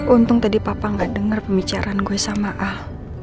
untung tadi papa gak denger pembicaraan gue sama al